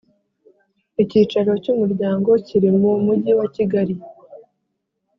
Icyicaro Cy Umuryango Kiri Mu Mujyi wa kigali